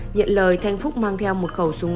nhận lời thanh phúc mang theo một khẩu súng